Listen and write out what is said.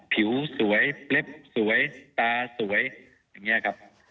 ผิวสวยเล็บสวยตาสวยอย่างนี้ครับ